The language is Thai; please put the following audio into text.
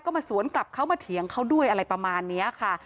ก็มาสวนกลับเขามาเถียงเขาด้วยอะไรประมาณนี้ค่ะ